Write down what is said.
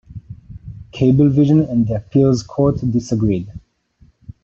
Cablevision and the appeals court disagreed.